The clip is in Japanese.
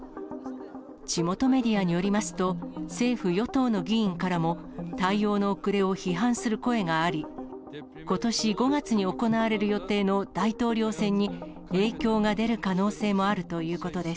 地元メディアによりますと、政府・与党の議員からも、対応の遅れを批判する声があり、ことし５月に行われる予定の大統領選に、影響が出る可能性もあるということです。